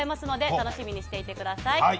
楽しみにしていてください。